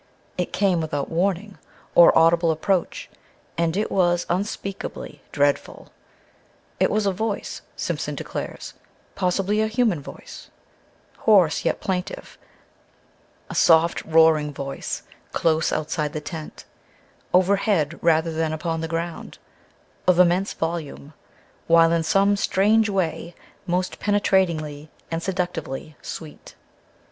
It came without warning, or audible approach; and it was unspeakably dreadful. It was a voice, Simpson declares, possibly a human voice; hoarse yet plaintive a soft, roaring voice close outside the tent, overhead rather than upon the ground, of immense volume, while in some strange way most penetratingly and seductively sweet.